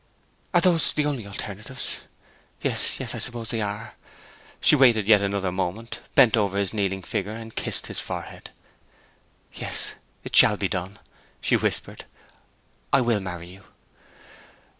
'Are those the only alternatives? Yes, yes; I suppose they are!' She waited yet another moment, bent over his kneeling figure, and kissed his forehead. 'Yes; it shall be done,' she whispered. 'I will marry you.'